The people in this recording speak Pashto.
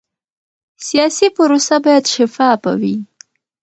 سیاسي پروسه باید شفافه وي